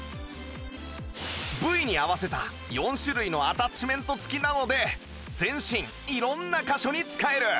部位に合わせた４種類のアタッチメント付きなので全身色んな箇所に使える！